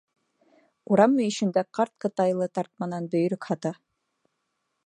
Урам мөйөшөндә ҡарт ҡытайлы тартманан бөйөрөк һата.